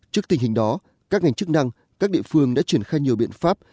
trước tình hình đó các ngành chức năng các địa phương đã triển khai nhiều biện pháp